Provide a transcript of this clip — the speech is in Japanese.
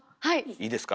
いいですか？